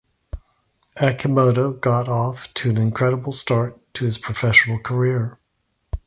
Akimoto got off to an incredible start to his professional career.